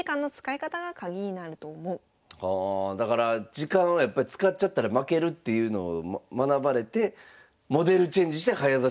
ああだから時間はやっぱ使っちゃったら負けるっていうのを学ばれてモデルチェンジして早指しになったってことですかね。